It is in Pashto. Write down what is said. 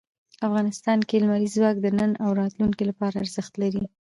افغانستان کې لمریز ځواک د نن او راتلونکي لپاره ارزښت لري.